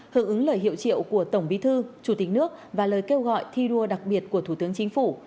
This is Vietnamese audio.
hợp ứng lời hiệu triệu của tổng bí thư chủ tịch nước và lời kêu gọi thi đua đặc biệt của thủ tướng chính phủ